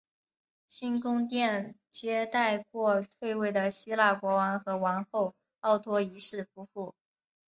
新宫殿接待过退位的希腊国王和王后奥托一世夫妇。